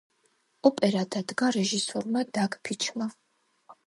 ოპერა დადგა რეჟისორმა დაგ ფიჩმა.